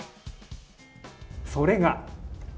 それが。